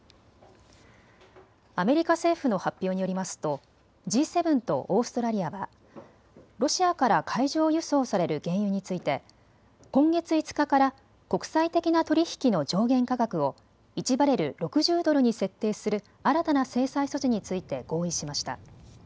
アメリカ政府の発表によりますとＧ７とオーストラリアはロシアから海上輸送される原油について今月５日から国際的な取り引きの上限価格を１バレル６０ドルに設定する新たな制裁措置について合意しました。